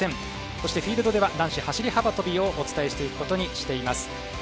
そしてフィールドでは男子走り幅跳びをお伝えしていくことにしています。